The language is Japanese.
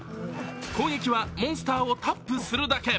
攻撃はモンスターをタップするだけ。